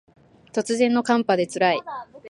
突然の寒波で辛い